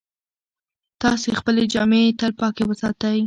تاسې خپلې جامې تل پاکې وساتئ.